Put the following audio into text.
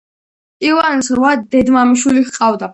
ივანეს რვა დედმამიშვილი ჰყავდა.